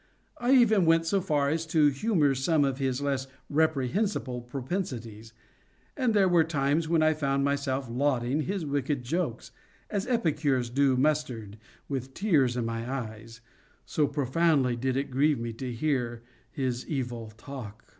I even went so far as to humor some of his less reprehensible propensities; and there were times when I found myself lauding his wicked jokes, as epicures do mustard, with tears in my eyes:—so profoundly did it grieve me to hear his evil talk.